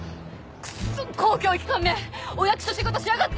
クッソ公共機関め！お役所仕事しやがって！